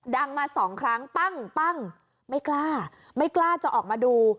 ดังมาสองครั้งปั้งปั้งไม่กล้าไม่กล้าจะออกมาดู